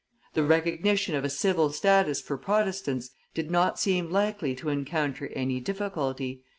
The recognition of a civil status for Protestants did not seem likely to encounter any difficulty.